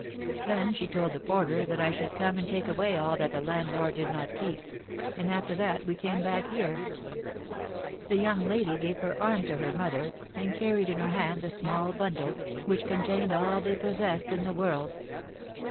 Then she told the porter that I should come and take away all that the landlord did not keep, and after that we came back here. The young lady gave her arm to her mother, and carried in her hand the small bundle, which contained all they possessed in the world.